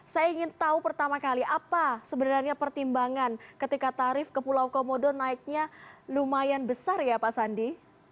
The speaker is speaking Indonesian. saya ingin tahu pertama kali apa sebenarnya pertimbangan ketika tarif ke pulau komodo naiknya lumayan besar ya pak sandi